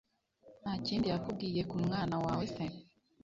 ntakindi yakubwiye kumwana wawe se